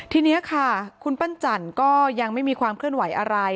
ทีนี้ค่ะคุณปั้นจันก็ยังไม่มีความเคลื่อนไหวอะไร